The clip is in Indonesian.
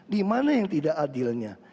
di mana yang tidak adilnya